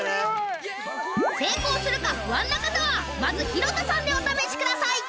成功するか不安な方はまず広田さんでお試しください